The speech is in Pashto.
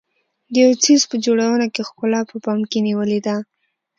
د یو څیز په جوړونه کې ښکلا په پام کې نیولې ده.